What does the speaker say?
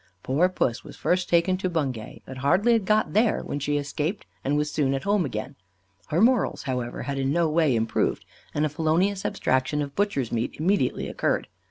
Poor Puss was first taken to Bungay, but had hardly got there when she escaped, and was soon at home again. Her morals, however, had in no way improved, and a felonious abstraction of butcher's meat immediately occurred.